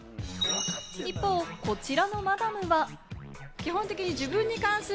一方、こちらのマダムは。